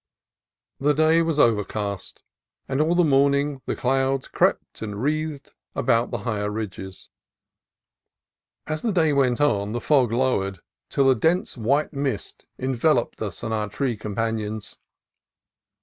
The day was overcast, and all the morning the clouds crept and wreathed about the higher ridges. 30 4 CALIFORNIA COAST TRAILS As the day went on, the fog lowered, till a dense white mist enveloped us and our tree companions.